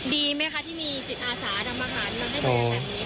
ดีไหมคะที่มีจิตอาสานำอาหารมาให้บริการ